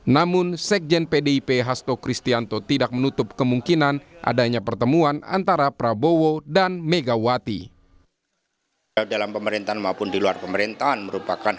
namun sekjen pdip hasto kristianto tidak menutup kemungkinan